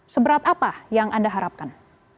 seberat apa yang anda harapkan